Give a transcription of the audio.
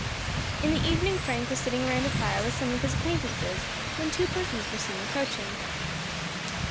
In the evening Frank was sitting around a fire with some of his acquaintances, when two persons were seen approaching.